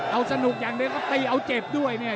เอาสนุกอย่างเดียวก็ตีเอาเจ็บด้วยเนี่ย